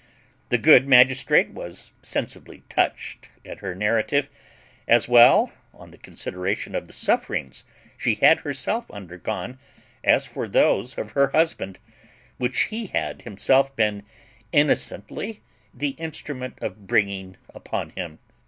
The good magistrate was sensibly touched at her narrative, as well on the consideration of the sufferings she had herself undergone as for those of her husband, which he had himself been innocently the instrument of bringing upon him.